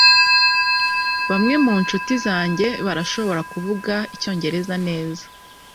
bamwe mu nshuti zanjye barashobora kuvuga icyongereza neza